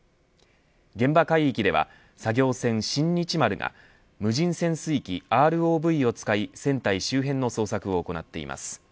現場海域では作業船、新日丸が無人潜水機・ＲＯＶを使い船体周辺の捜索を行っています。